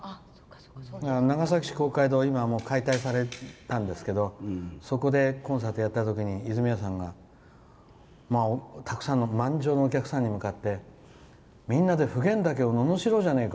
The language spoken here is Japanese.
長崎市公会堂は今、解体されたんですけどそこでコンサートやったとき泉谷さんが満場のお客さんに向かってみんなで普賢岳をののしろうじゃねえか！